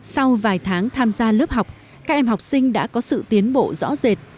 sau vài tháng tham gia lớp học các em học sinh đã có sự tiến bộ rõ rệt